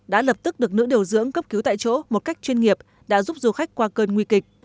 đã lập tức được nữ điều dưỡng cấp cứu tại chỗ một cách chuyên nghiệp đã giúp du khách qua cơn nguy kịch